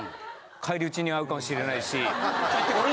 返り討ちに遭うかもしれないし。